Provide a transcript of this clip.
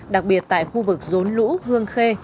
đặc biệt tại khu vực rốn lũ hương khê